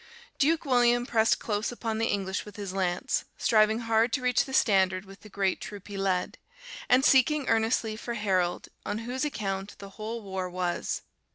"Duke William pressed close upon the English with his lance; striving hard to reach the standard with the great troop he led; and seeking earnestly for Harold, on whose account the whole war was.